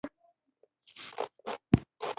• د هغه ښوونځي موخه د کارکوونکو روزنه وه.